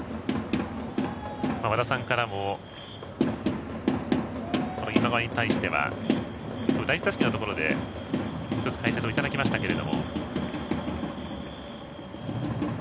和田さんからも今川に対しては第１打席のところで解説をいただきましたけども。